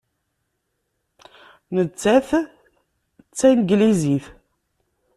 Nettat d Tanglizit.